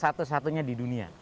satu satunya di dunia